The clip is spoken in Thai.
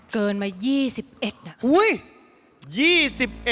เกินมา๒๑นี่โอ้ยยย